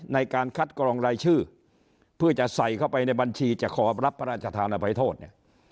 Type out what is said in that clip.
ในการคัดกรองรายชื่อเพื่อจะใส่เข้าไปในบัญชีจะขอรับพระราชธานภัยโทษเนี่ย